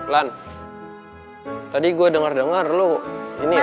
lan tadi gue denger denger lu ini ya